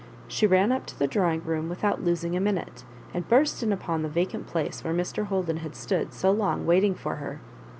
She ran up to • the drawing room without losing a minute, and burst in upon the vacant place where Mr. Hol den had stood so long waiting for her.